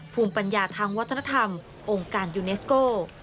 ภูมิปัญญาทางวัฒนธรรมองค์การยูเนสโก